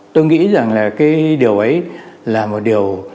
tôi nghĩ rằng là cái điều ấy là một điều